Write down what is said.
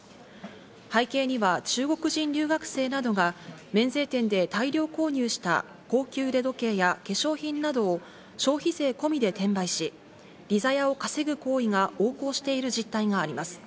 背景には中国人留学生などが免税店で大量購入した高級腕時計や化粧品などを消費税込みで転売し、利ざやを稼ぐ行為が横行している実態があります。